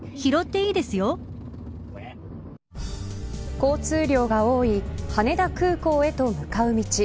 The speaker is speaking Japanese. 交通量が多い羽田空港へと向かう道。